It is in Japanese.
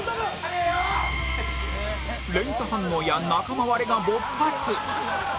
連鎖反応や仲間割れが勃発！